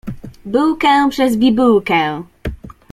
Bułkę przez bibułkę.